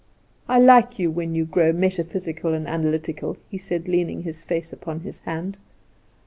"I like you when you grow metaphysical and analytical," he said, leaning his face upon his hand.